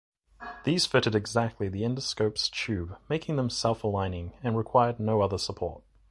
These fitted exactly the endoscope's tube, making them self-aligning, and required no other support.